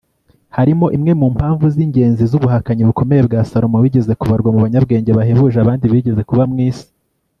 harimo imwe mu mpamvu z'ingenzi z'ubuhakanyi bukomeye bwa salomo wigeze kubarwa mu banyabwenge bahebuje abandi bigeze kuba mu isi